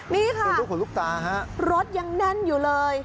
นี่ค่ะรถยังนั่นอยู่เลย